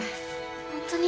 ホントに？